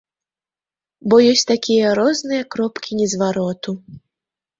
Бо ёсць такія розныя кропкі незвароту.